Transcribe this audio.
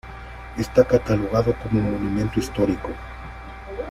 Está catalogado como Monumento Histórico.